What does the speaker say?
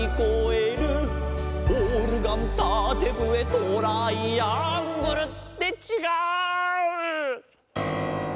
「オルガンたてぶえトライアングル」ってちがう！